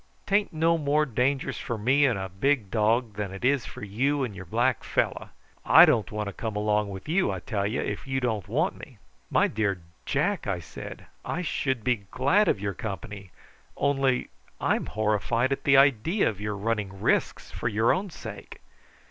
"'Tain't no more dangerous for me and a big dog than it is for you and your black fellow. I don't want to come along with you, I tell you, if you don't want me." "My dear Jack," I said, "I should be glad of your company, only I'm horrified at the idea of your running risks for your own sake.